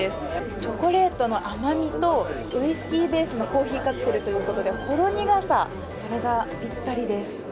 チョコレートの甘みと、ウイスキーベースのコーヒーカクテルということでほろ苦さ、それがぴったりです。